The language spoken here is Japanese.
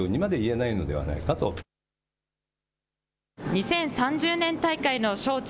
２０３０年大会の招致